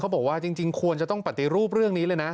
บอกว่าจริงควรจะต้องปฏิรูปเรื่องนี้เลยนะ